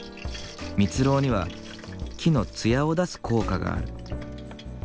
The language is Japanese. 蜜蝋には木の艶を出す効果がある。